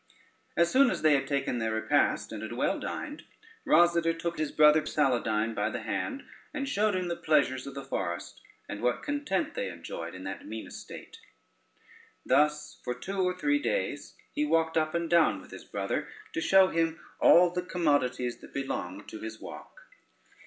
As soon as they had taken their repast, and had well dined, Rosader took his brother Saladyne by the hand, and showed him the pleasures of the forest, and what content they enjoyed in that mean estate. Thus for two or three days he walked up and down with his brother to show him all the commodities that belonged to his walk.